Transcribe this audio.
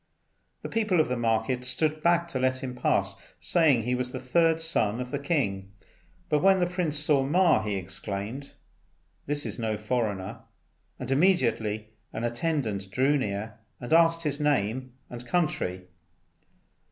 The people of the market stood back to let him pass, saying he was the third son of the king; but when the Prince saw Ma, he exclaimed, "This is no foreigner," and immediately an attendant drew near and asked his name and country.